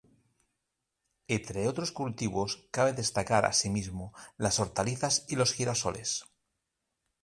Entre otros cultivos, cabe destacar asimismo, las hortalizas y los girasoles.